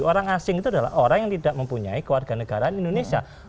orang asing itu adalah orang yang tidak mempunyai keluarga negaraan indonesia